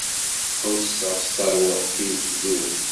Ḥusseɣ s terwiḥt-iw tdub.